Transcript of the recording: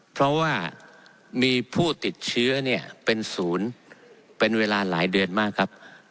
เพราะว่ามีผู้ติดเชื้อเนี่ยเป็นศูนย์เป็นเวลาหลายเดือนมากครับ